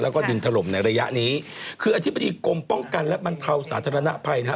แล้วก็ดินถล่มในระยะนี้คืออธิบดีกรมป้องกันและบรรเทาสาธารณภัยนะฮะ